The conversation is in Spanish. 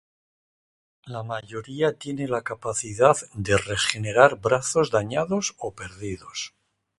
La mayoría tiene la capacidad de regenerar brazos dañados o perdidos.